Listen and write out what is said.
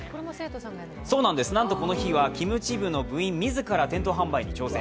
なんとこの日はキムチ部の部員自ら店頭販売に挑戦。